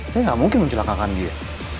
saya nggak mungkin mencelakakan dia